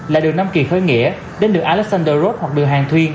là đường năm kỳ khơi nghĩa đến đường alexander road hoặc đường hàng thuyên